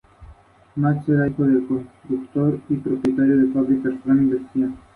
Eduardo Primo fue miembro fundador del Capítulo Español del Club de Roma.